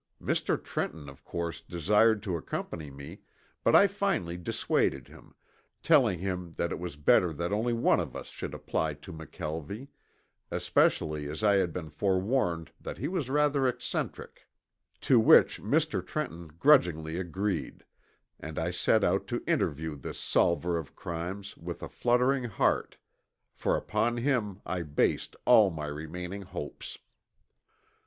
Mr. Trenton of course desired to accompany me, but I finally dissuaded him, telling him that it was better that only one of us should apply to McKelvie, especially as I had been forewarned that he was rather eccentric. To which Mr. Trenton grudgingly agreed, and I set out to interview this solver of crimes with a fluttering heart, for upon him I based all my remaining hopes.